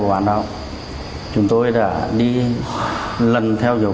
chúng tôi đã đi lần theo dõi đối tượng đã bắn súng đối tượng đã bắn súng đối tượng đã bắn súng